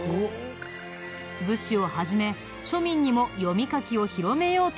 武士を始め庶民にも読み書きを広めようとしたんだ。